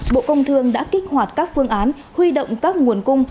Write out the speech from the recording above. bộ công thương đã kích hoạt các phương án huy động các nguồn cung